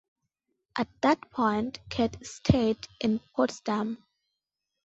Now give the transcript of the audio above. At that point Katte stayed in Potsdam.